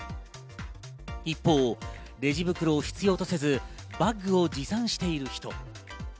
一方、レジ袋を必要とせず、バッグを持参している人。